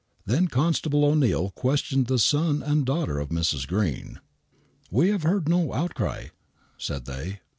Then Constable O'Neill questioned the son and daughter of Mrs. Green. "We have heard no outcry," said they.